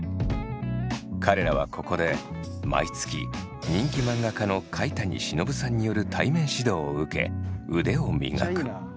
彼らはここで毎月人気漫画家の甲斐谷忍さんによる対面指導を受け腕を磨く。